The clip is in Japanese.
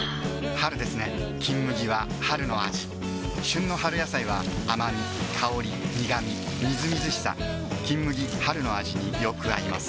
春ですね「金麦」は春の味旬の春野菜は甘み香り苦みみずみずしさ「金麦」春の味によく合います